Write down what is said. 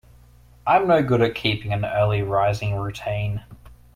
I'm no good at keeping an early rising routine.